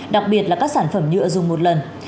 đặc biệt là các sản phẩm nhựa dùng một lần